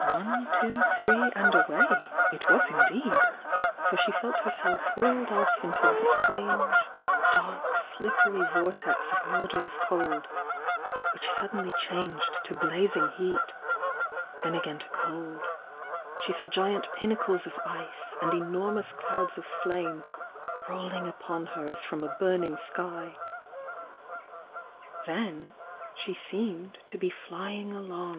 "One, two, three, and away!" it was, indeed! — for she felt herself whirled off into a strange, dark, slip pery vortex of murderous cold — which suddenly changed to blazing heat— then again to cold, — she saw giant pinnacles of ice, and enormous clouds of flame rolling upon her as from a burning sky — then, she seemed to be flying along ov!